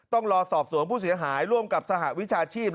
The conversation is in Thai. ต้องรอสอบสวนผู้เสียหายร่วมกับสหวิชาชีพ